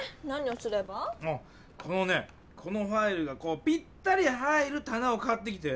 おっこのねこのファイルがぴったり入るたなを買ってきて。